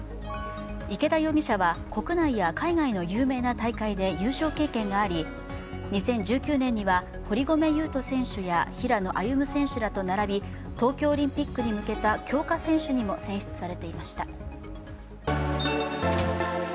池田容疑者は国内や海外の有名な大会で優勝経験があり２０１９年には、堀米雄斗選手や平野歩夢選手らと並び東京オリンピックに向けた強化選手にも選出されていました。